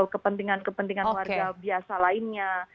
kepentingan kepentingan warga biasa lainnya